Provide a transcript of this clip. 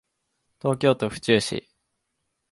東京都府中市